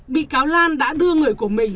bị cáo lan đã đưa người của mình